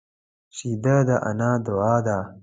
شیدې د انا دعا ده